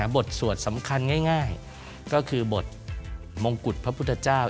บทสวดสำคัญง่ายก็คือบทมงกุฎพระพุทธเจ้า